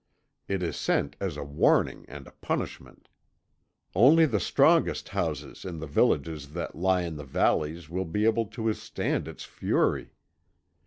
It is sent as a warning and a punishment. Only the strongest houses in the villages that lie in the valleys will be able to withstand its fury.